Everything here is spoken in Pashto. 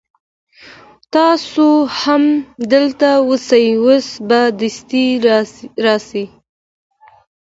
تاسو هم دلته اوسئ اوس به دستي راسي.